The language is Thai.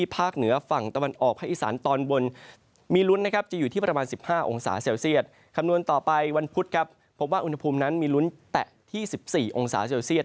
เพราะว่าอุณหภูมินั้นมีลุ้นแตะที่๑๔องศาเซลเซียต